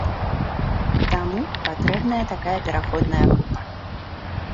Таму патрэбная такая пераходная група.